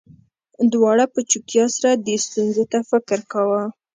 دواړو په چوپتیا سره دې ستونزې ته فکر کاوه